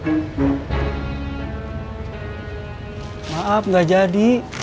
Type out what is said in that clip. cari kembalikan dompet saya sama isinya